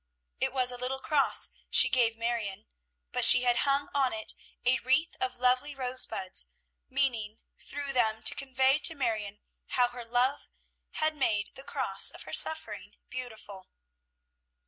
It was a little cross she gave Marion, but she had hung on it a wreath of lovely rosebuds, meaning, through them, to convey to Marion how her love had made the cross of her suffering beautiful.